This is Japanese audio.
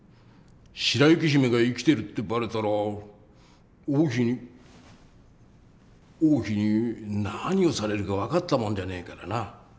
白雪姫が生きてるってバレたら王妃に王妃に何をされるか分かったもんじゃねえからな。